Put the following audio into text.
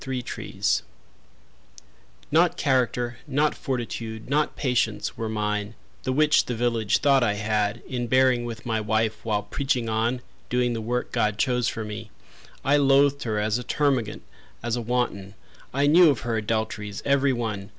Amos Sibley Not character, not fortitude, not patience Were mine, the which the village thought I had In bearing with my wife, while preaching on, Doing the work God chose for me. I loathed her as a termagant, as a wanton. I knew of her adulteries, every one.